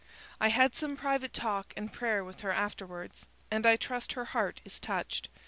I had some private talk and prayer with her afterwards, and I trust her heart is touched.